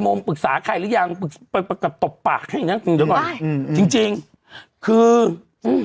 โมงปรึกษาใครหรือยังปรึกษาตบปากให้นะเดี๋ยวก่อนใช่อืมจริงจริงคืออืม